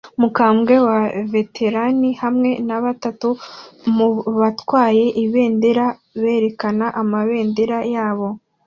Umukambwe wa Veteran hamwe na batatu mubatwaye ibendera berekana amabendera yabo